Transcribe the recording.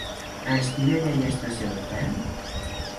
A Estivella hi ha estació de tren?